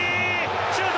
シュート。